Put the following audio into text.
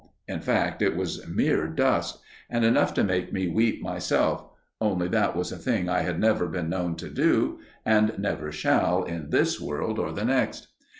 In fact it was mere dust, and enough to make me weep myself, only that was a thing I had never been known to do, and never shall in this world, or the next.